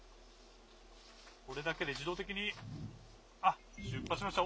これだけで自動的に、あっ、出発しました。